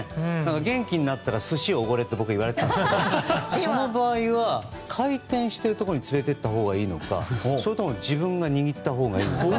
元気になったら寿司をおごれって僕言われたんですけどその場合は回転しているところに連れていったほうがいいのかそれとも自分が握ったほうがいいのか。